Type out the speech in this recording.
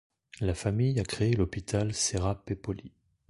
La famille a créé l'hôpital Sera Pepoli.